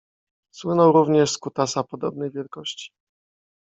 Słynął również z kutasa podobnej wielkości.